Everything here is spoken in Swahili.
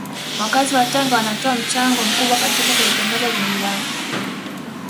Wakazi wa Tanga wanatoa mchango mkubwa katika kulitangaza jiji lao